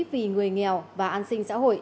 vì người nghèo và an sinh xã hội